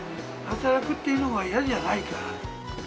働くっていうのが嫌じゃないから。